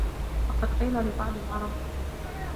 فَقَدْ قِيلَ لِبَعْضِ الْعَرَبِ